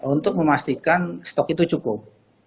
untuk memastikan stok itu cukup